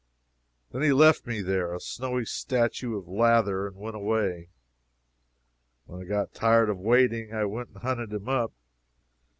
Then he left me there, a snowy statue of lather, and went away. When I got tired of waiting I went and hunted him up.